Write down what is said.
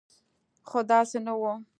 خو داسې نه و.